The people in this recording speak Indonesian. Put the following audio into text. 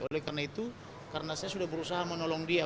oleh karena itu karena saya sudah berusaha menolong dia